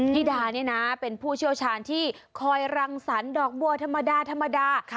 พี่ดานี่นะเป็นผู้เชี่ยวชาญที่คอยรังสรรค์ดอกบัวธรรมดาธรรมดา